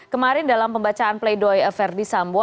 kemarin dalam pembacaan play doh ferdi sambo